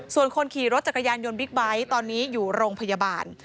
ส่วนคนขี่รถจักรยานยนต์บิ๊กไบท์ตอนนี้อยู่โรงพยาบาล